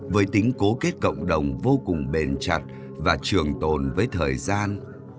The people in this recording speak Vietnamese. với tính cố kết cộng đồng vô cùng bền chặt và trường tồn với thời gian